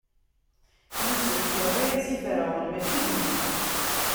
Yusef irra-yas i Ferɛun: Mačči d nekk!